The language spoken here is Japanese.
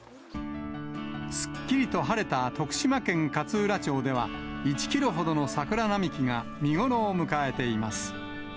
すっきりと晴れた徳島県勝浦町では、１キロほどの桜並木が見頃を迎えています。